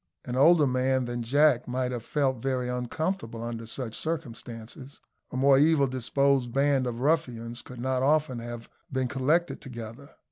An older man than Jack might have felt very uncomfortable under such circumstances. A more evil disposed band of ruffians could not often have been collected together.